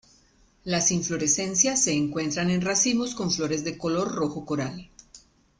Las inflorescencias se encuentran en racimos con flores de color rojo coral.